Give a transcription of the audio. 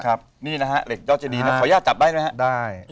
อันนี้เหล็กยอดเจดีนะฮะขอยากจับได้ไหมฮะได้